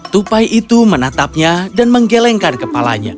tupai itu menatapnya dan menggelengkan kepalanya